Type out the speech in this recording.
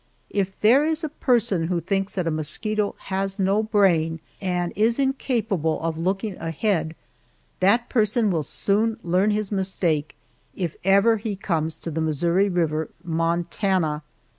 If there is a person who thinks that a mosquito has no brain, and is incapable of looking ahead, that person will soon learn his mistake if ever he comes to the Missouri River, Montana!